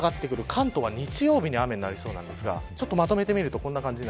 関東は日曜日に雨になりそうですがまとめてみるとこんな感じ。